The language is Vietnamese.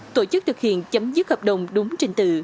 tổ chức thực hiện chấm dứt hợp đồng đúng trình tự